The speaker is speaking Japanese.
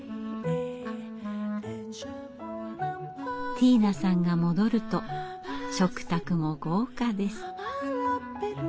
ティーナさんが戻ると食卓も豪華です。